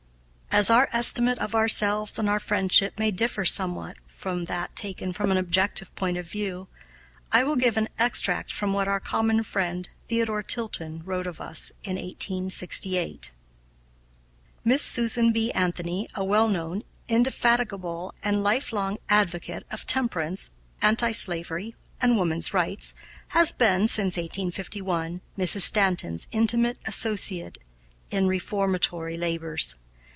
As our estimate of ourselves and our friendship may differ somewhat from that taken from an objective point of view, I will give an extract from what our common friend Theodore Tilton wrote of us in 1868: "Miss Susan B. Anthony, a well known, indefatigable, and lifelong advocate of temperance, anti slavery, and woman's rights, has been, since 1851, Mrs. Stanton's intimate associate in reformatory labors.